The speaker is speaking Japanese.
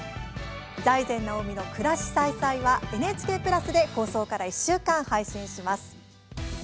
「財前直見の暮らし彩彩」はＮＨＫプラスで放送から１週間、配信します。